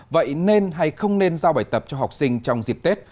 vậy nên hay không nên giao bài tập cho học sinh trong dịp tết